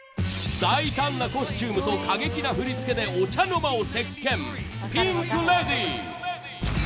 大胆なコスチュームと過激な振り付けでお茶の間を席巻ピンク・レディー。